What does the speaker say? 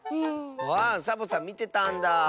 あサボさんみてたんだ。